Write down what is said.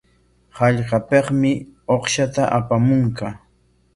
Hallqapikmi uqshata apamunqa.